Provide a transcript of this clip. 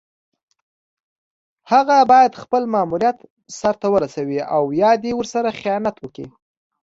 هغه باید خپل ماموریت سر ته ورسوي او یا دې ورسره خیانت وکړي.